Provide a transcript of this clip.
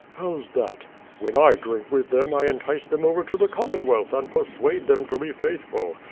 "How's that?" "When I drink with them, I entice them over to the Com monwealth and persuade them to be faithful.